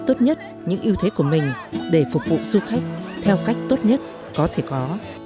tốt nhất những ưu thế của mình để phục vụ du khách theo cách tốt nhất có thể có